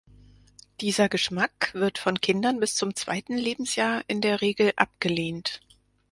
Dieser Geschmack wird von Kindern bis zum zweiten Lebensjahr in der Regel abgelehnt.